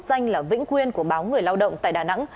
danh là vĩnh quyên của báo người lao động tại đà nẵng